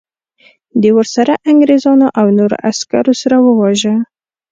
د ورسره انګریزانو او نورو عسکرو سره وواژه.